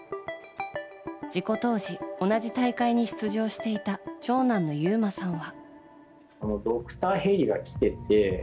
事故当時同じ大会に出場していた長男の悠真さんは。